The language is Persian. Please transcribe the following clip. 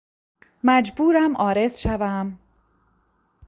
مجبورم عارض شوم